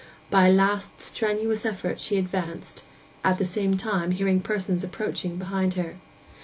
By a last strenuous effort she advanced, at the same time hearing persons approaching behind her.